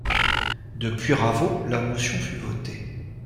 De Puyraveau, la motion fut votée.